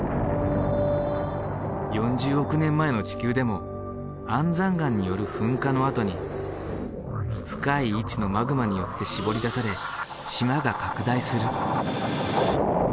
４０億年前の地球でも安山岩による噴火のあとに深い位置のマグマによってしぼり出され島が拡大する。